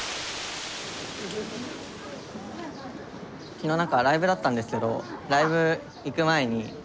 昨日なんかライブだったんですけどライブ行く前にがっつり飲んで。